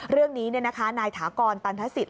เรื่องนี้นายถากรตันทศิษย